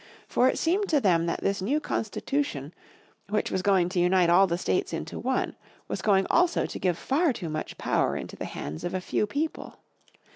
For it seemed to them that this new Constitution which was going to unite all the states into one was going also to give far too much power into the hands of a few people.